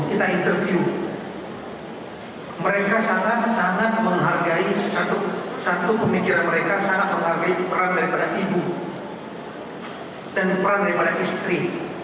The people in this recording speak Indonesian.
kita interview mereka sangat sangat menghargai satu pemikiran mereka sangat menghargai peran daripada ibu dan peran daripada istri